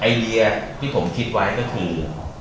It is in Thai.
เลียที่ผมคิดไว้ก็คือ